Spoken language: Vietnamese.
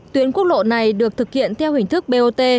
tuyến quốc lộ này được thực hiện theo hình thức bot